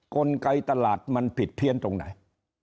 กลไกตลาดมันผิดเพี้ยนตรงไหน